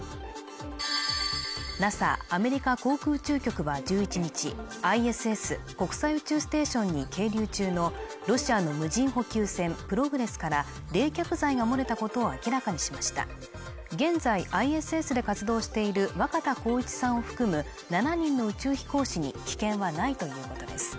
ＮＡＳＡ＝アメリカ航空宇宙局は１１日ＩＳＳ＝国際宇宙ステーションに係留中のロシアの無人補給船「プログレス」から冷却剤が漏れたことを明らかにしました現在ＩＳＳで活動している若田光一さんを含む７人の宇宙飛行士に危険はないということです